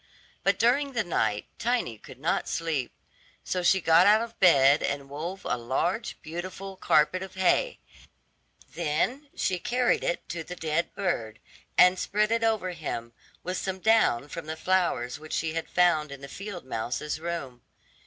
But during the night Tiny could not sleep; so she got out of bed and wove a large, beautiful carpet of hay; then she carried it to the dead bird, and spread it over him; with some down from the flowers which she had found in the field mouse's room.